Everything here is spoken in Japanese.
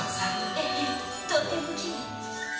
ええ、とてもきれい。